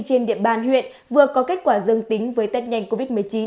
trên địa bàn huyện vừa có kết quả dương tính với tết nhanh covid một mươi chín